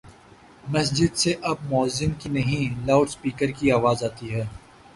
مسجد سے اب موذن کی نہیں، لاؤڈ سپیکر کی آواز آتی ہے۔